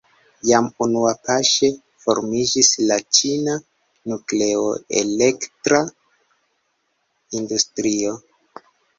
Jam unuapaŝe formiĝis la ĉina nukleoelektra industrio.